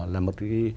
là một cái